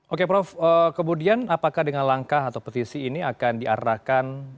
oke prof kemudian apakah dengan langkah atau petisi ini akan diarahkan